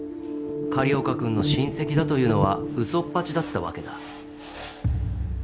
狩岡君の親戚だというのはうそっぱちだったわけだ。